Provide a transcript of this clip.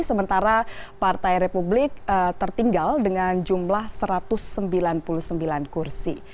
sementara partai republik tertinggal dengan jumlah satu ratus sembilan puluh sembilan kursi